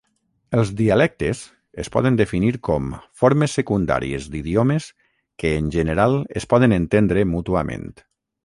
Els dialectes es poden definir com "formes secundàries d'idiomes que, en general, es poden entendre mútuament".